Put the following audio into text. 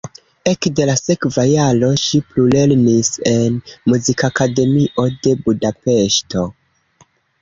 Ekde la sekva jaro ŝi plulernis en Muzikakademio de Budapeŝto.